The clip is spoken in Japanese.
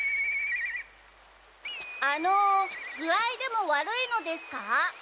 あの具合でも悪いのですか？